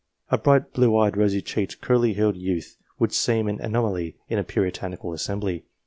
A bright, blue eyed, rosy cheeked, curly headed youth would seem an anomaly in a Puritanical assembly.